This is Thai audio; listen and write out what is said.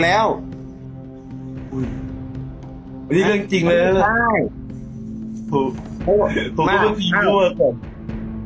แล้วอุ้ยอันนี้เรื่องจริงเลยเลยไม่ได้โทรโทรโทรโทร